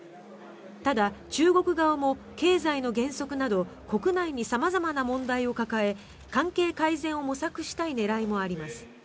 ただ、中国側も経済の減速など国内に様々な問題を抱え関係改善を模索したい狙いもあります。